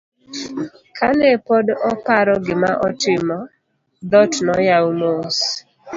kane pod oparo gima otimo, dhot noyaw mos